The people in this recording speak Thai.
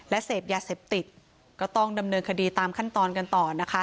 และเสพยาเสพติดก็ต้องดำเนินคดีตามขั้นตอนกันต่อนะคะ